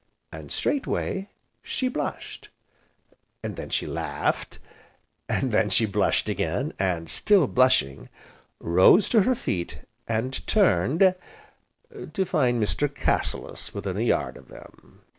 And straightway she blushed, and then she laughed, and then she blushed again, and, still blushing, rose to her feet, and turned to find Mr. Cassilis within a yard of them.